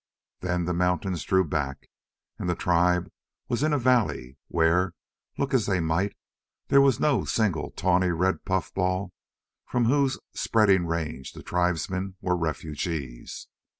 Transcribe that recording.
Then the mountains drew back and the tribe was in a valley where, look as they might, there was no single tawny red puffball from whose spreading range the tribesmen were refugees.